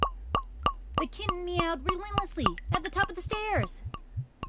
The kitten mewed relentlessly at the top of the stairs.